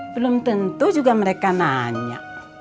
belum tentu juga mereka nanya